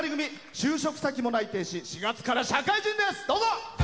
就職も内定し４月から社会人です！